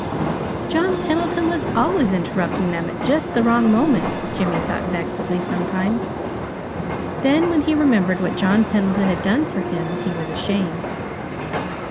John Pendleton was always interrupting them at just the wrong moment, Jimmy thought vexedly, sometimes. Then, when he remembered what John Pendleton had done for him, he was ashamed.